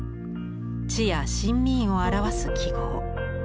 「地」や「臣民」を表す記号。